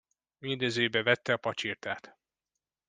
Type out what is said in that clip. Üldözőbe vette a pacsirtát.